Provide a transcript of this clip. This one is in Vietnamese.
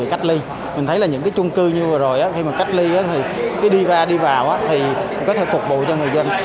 cách ly mình thấy là những cái chung cư như vừa rồi khi mà cách ly thì khi đi qua đi vào thì có thể phục vụ cho người dân